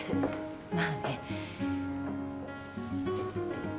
まあね。